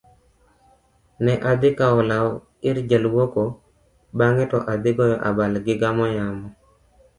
ne adhi kawo lawa ir jaluoko bang'e to adhi goyo abal gigamo yamo